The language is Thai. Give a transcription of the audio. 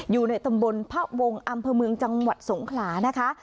อยู่ในตำบลพระวงศ์อำเภอเมืองจังหวัดสงขลานะคะ